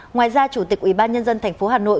ngoài ra chủ tịch ủy ban nhân dân thành phố hà nội